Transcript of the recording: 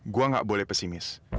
gue gak boleh pesimis